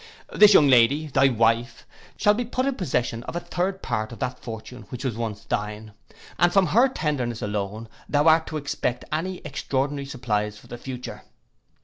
This young lady, thy wife, shall be put in possession of a third part of that fortune which once was thine, and from her tenderness alone thou art to expect any extraordinary supplies for the future.